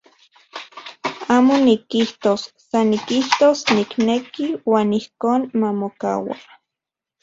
Amo nikijtos, san nikijtos nikneki uan ijkon mamokaua.